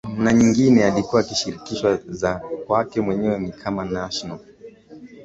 na nyingine alikuwa akishirikishwa za kwake mwenyewe ni kama national